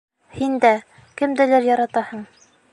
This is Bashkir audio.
Һин дә... кемделер яратаһың.